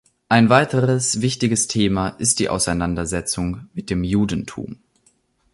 Ein weiteres wichtiges Thema ist die Auseinandersetzung mit dem Judentum.